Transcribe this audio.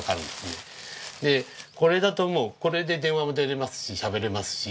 でこれだともうこれで電話も出れますししゃべれますし。